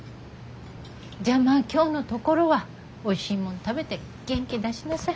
じゃあまぁ今日のところはおいしいもん食べて元気出しなさい。